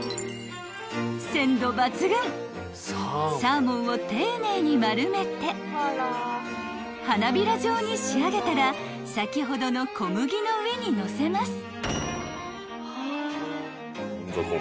［鮮度抜群サーモンを丁寧に丸めて花びら状に仕上げたら先ほどの小麦の上にのせます］